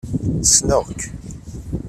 Ssneɣ-k.